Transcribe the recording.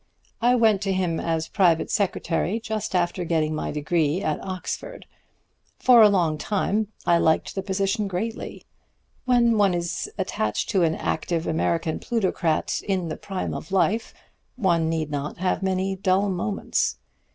I went to him as private secretary just after getting my degree at Oxford. For a long time I liked the position greatly. When one is attached to an active American plutocrat in the prime of life one need not have many dull moments.